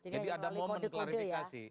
jadi ada momen klarifikasi